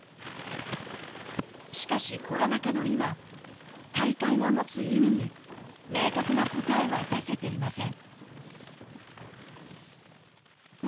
しかし、コロナ禍の今大会が持つ意味に明確な答えは出せていません。